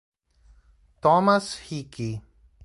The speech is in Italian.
Thomas Hickey